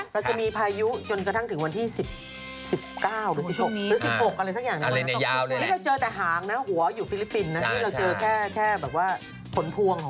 แล้วจะมีพายุจนกระทั่งถึงวันที่สิบสิบเก้าหรือสิบหกหรือสิบสิบหกอะไรสักอย่าง